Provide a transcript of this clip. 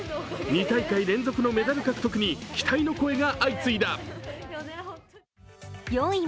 ２大会連続のメダル獲得に期待の声が相次いだ。